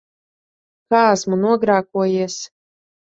Kā esmu nogrēkojies?